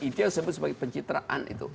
itu yang disebut sebagai pencitraan itu